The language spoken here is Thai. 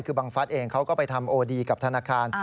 คือบังฟัสเองเขาก็ไปทำโอดีกับธนาคาร